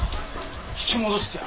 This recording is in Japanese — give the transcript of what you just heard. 引き戻してやる！